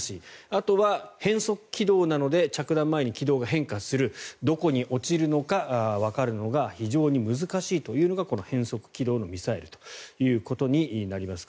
あとは変則軌道なので着弾前に軌道が変化するどこに落ちるのかわかるのが非常に難しいというのがこの変則軌道のミサイルということになります。